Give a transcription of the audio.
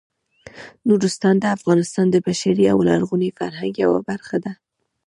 نورستان د افغانستان د بشري او لرغوني فرهنګ یوه برخه ده.